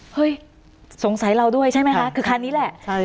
สงสัยเราด้วยใช่ไหมคะคือคันนี้แหละ